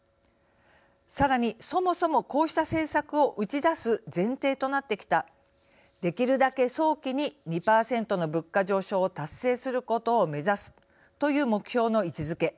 さらに、そもそもこうした政策を打ち出す前提となってきたできるだけ早期に２％の物価上昇を達成することを目指すという目標の位置づけ。